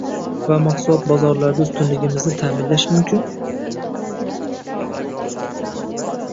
va mahsulot bozorlarida ustunligimizni ta’minlash mumkin?